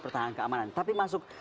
pertahanan keamanan tapi masuk